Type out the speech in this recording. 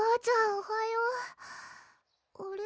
おはようあれ？